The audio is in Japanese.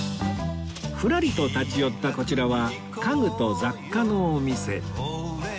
ふらりと立ち寄ったこちらは家具と雑貨のお店